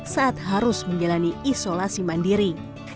saat harus menjalani isolasi mandiri